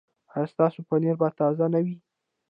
ایا ستاسو پنیر به تازه نه وي؟